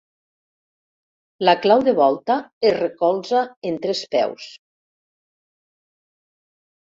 La clau de volta es recolza en tres peus.